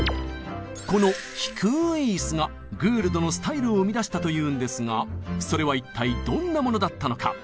この「低い椅子」がグールドのスタイルを生み出したというんですがそれは一体どんなものだったのか？